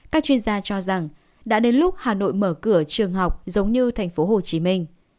các chuyên gia cho rằng đã đến lúc hà nội mở cửa trường học giống như thành phố hồ chí minh